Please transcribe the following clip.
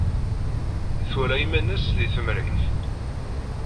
Twala iman-nnes deg temrayt.